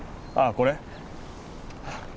ああこれ？